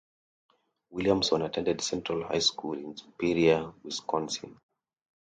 Williamson attended Central High School in Superior, Wisconsin.